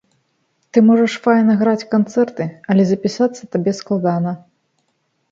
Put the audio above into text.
Ты можаш файна граць канцэрты, але запісацца табе складана.